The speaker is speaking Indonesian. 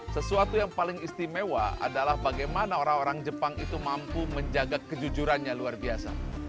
sesuatu yang paling istimewa adalah bagaimana orang orang jepang itu mampu menjaga kejujurannya luar biasa